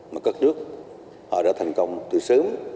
mà các nước họ đã thành công từ sớm